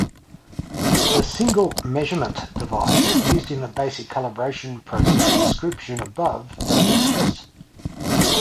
The 'single measurement' device used in the basic calibration process description above does exist.